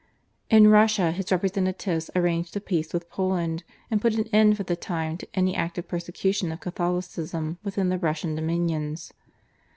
In Russia his representatives arranged a peace with Poland, and put an end for the time to any active persecution of Catholicism within the Russian dominions.